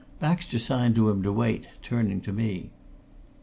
Baxter signed to him to wait, turning to me.